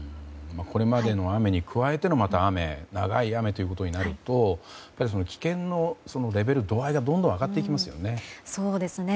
これまでの雨に加えての雨長い雨ということになると危険のレベル、度合いがどんどん上がっていきますよね。